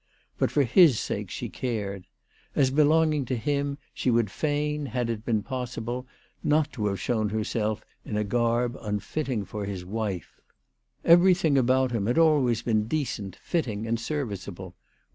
But for his sake she cared. As belonging to him she would fain, had it been possible, not have shown herself in a garb unfitting for his wife. Everything about him had always been decent, fitting, and serviceable